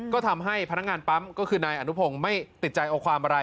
ก็ทำให้พนักงานปั๊มก็คือนายอนุพงศ์ไม่ติดใจเอาความอะไร